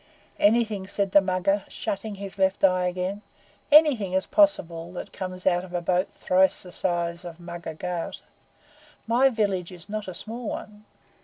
"Anything," said the Mugger, shutting his left eye again "ANYTHING is possible that comes out of a boat thrice the size of Mugger Ghaut. My village is not a small one."